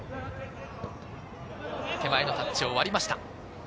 手前のタッチを割りました。